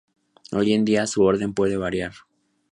Hoy en día, su orden puede variar.